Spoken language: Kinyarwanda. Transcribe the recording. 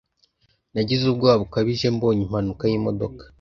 Nagize ubwoba bukabije mbonye impanuka y'imodoka.